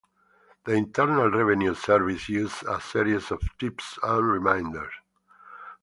The Internal Revenue Service issued a series of tips and reminders